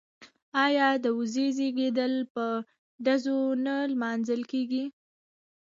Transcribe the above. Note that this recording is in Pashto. آیا د زوی زیږیدل په ډزو نه لمانځل کیږي؟